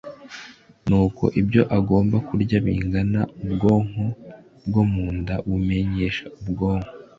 n uko ibyo agomba kurya bingana Ubwonko bwo mu nda bumenyesha ubwonko